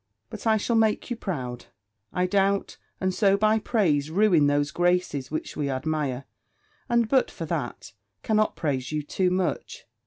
But I shall make you proud, I doubt, and so by praise ruin those graces which we admire, and, but for that, cannot praise you too much.